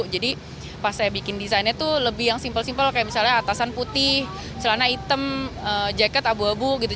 jadi pas saya bikin desainnya tuh lebih yang simpel simpel kayak misalnya atasan putih celana hitam jaket abu abu gitu